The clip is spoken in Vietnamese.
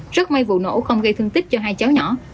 rất may vụ nổ không gây thương tích cho hai cháu nhỏ